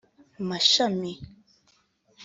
Mashami